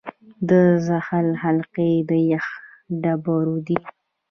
د زحل حلقې د یخ او ډبرو دي.